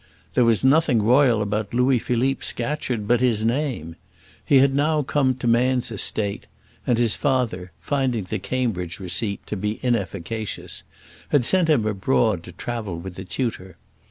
There was nothing royal about Louis Philippe Scatcherd but his name. He had now come to man's estate, and his father, finding the Cambridge receipt to be inefficacious, had sent him abroad to travel with a tutor.